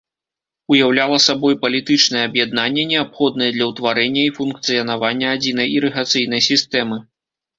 Уяўляла сабой палітычнае аб'яднанне, неабходнае для ўтварэння і функцыянавання адзінай ірыгацыйнай сістэмы.